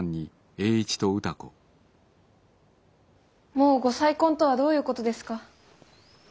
もうご再婚とはどういうことですか？